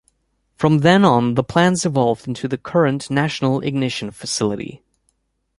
From then on the plans evolved into the current National Ignition Facility.